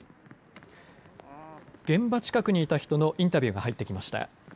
現場近くにいた人のインタビューが入ってきました。